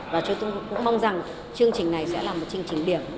và chúng tôi cũng mong rằng chương trình này sẽ là một chương trình điểm